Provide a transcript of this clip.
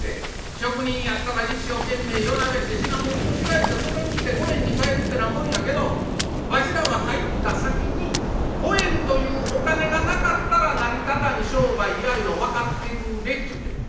職人やったら一生懸命夜なべして品物こしらえてそれを売って五円に換えるてなもんやけどわしらは入った先に五円というお金がなかったら成り立たん商売やいうの分かってくれっちゅうてんねん。